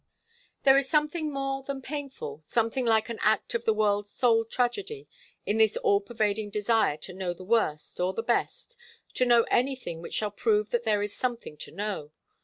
There is something more than painful, something like an act of the world's soul tragedy, in this all pervading desire to know the worst, or the best, to know anything which shall prove that there is something to know.